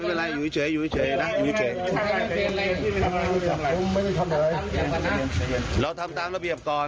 ไม่เป็นไรอยู่พิเศษหน่อยนะ